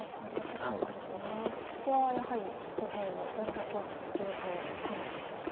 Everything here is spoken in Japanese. ここはやはり右辺をどれだけ大きくできるかを考えていますか。